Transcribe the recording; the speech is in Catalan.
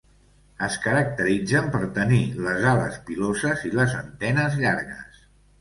Es caracteritzen per tenir les ales piloses i les antenes llargues.